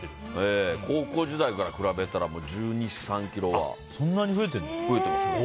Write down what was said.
高校時代から比べたら１２１３ｋｇは増えてます。